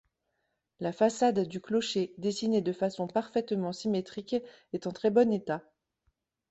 La façade du clocher dessinée de façon parfaitement symétrique est en très bon état.